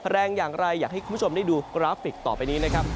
แรงอย่างไรอยากให้คุณผู้ชมได้ดูกราฟิกต่อไปนี้นะครับ